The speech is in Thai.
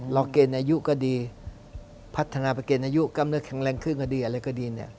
รอเกณฑ์อายุก็ดีพัฒนาไปเกณฑ์อายุกำเนื้อแข็งแรงขึ้นก็ดีอะไรก็ดี